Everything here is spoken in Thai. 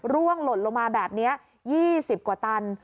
ร่วงหล่นลงมาแบบนี้๒๐กว่าตัน